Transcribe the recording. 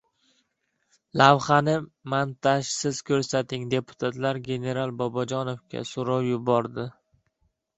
Lavhani «montaj»siz ko‘rsating! – deputatlar general Bobojonovga so‘rov yubordi